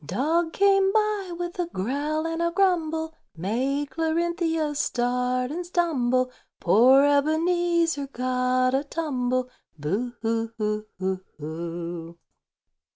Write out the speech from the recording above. Dog came by with a growl and a grumble, Made Clarinthia start and stumble; Poor Ebenezer got a tumble, Boo hoo hoo hoo hoo!